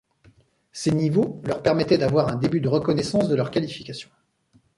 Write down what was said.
Ces niveaux leur permettait d'avoir un début de reconnaissance de leur qualification.